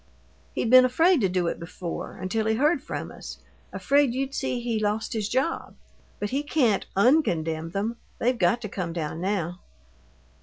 "He'd been afraid to do it before, until he heard from us afraid you'd see he lost his job. But he can't un condemn them they've got to come down now."